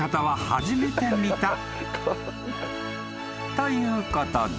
ということで］